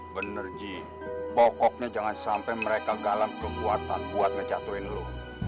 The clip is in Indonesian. bener ji pokoknya jangan sampai mereka galam kekuatan buat ngejatuhin lu